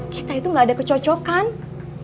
kita itu gak ada kecocokan